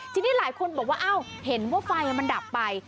ทีนี้หลายคนบอกว่าอ้าวเห็นว่าไฟมันดับไป